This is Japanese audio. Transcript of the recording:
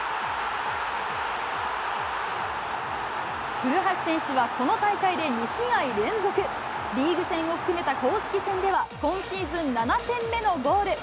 古橋選手はこの大会で２試合連続、リーグ戦を含めた公式戦では今シーズン７点目のゴール。